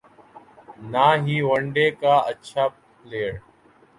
نہ ہی one day کا اچھا پلئیر